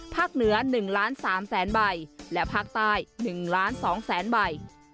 ภาคเหนือหนึ่งล้านสามแสนใบและภาคใต้หนึ่งล้านสองแสนใบ